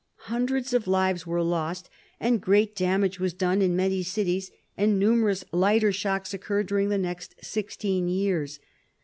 Hundreds of lives were lost, and great damage was done in many cities; and numerous lighter shocks occurred during the next sixteen years.